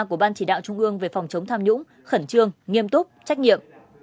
của ban chỉ đạo trung ương về phòng chống tham nhũng khẩn trương nghiêm túc trách nhiệm